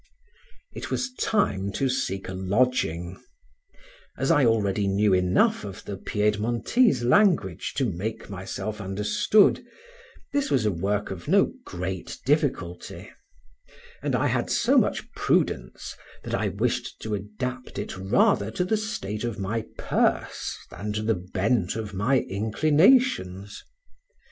It was time to seek a lodging: as I already knew enough of the Piedmontese language to make myself understood, this was a work of no great difficulty; and I had so much prudence, that I wished to adapt it rather to the state of my purse than the bent of my inclinations.